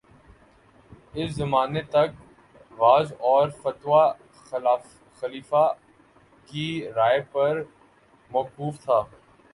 اس زمانے تک وعظ اور فتویٰ خلیفہ کی رائے پر موقوف تھا